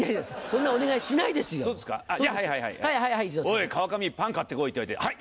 「おい川上パン買ってこい」って言われてはい！